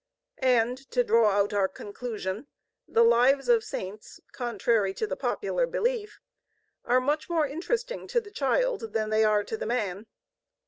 And, to draw out our conclusion, the lives of Saints, contrary to the popular belief, are much more interesting to the child than they are to the man.